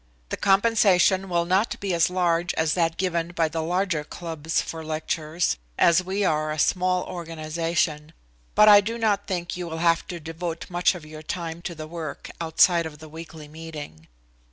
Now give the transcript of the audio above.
The compensation will not be as large as that given by the larger clubs for lectures, as we are a small organization, but I do not think you will have to devote much of your time to the work outside of the weekly meeting.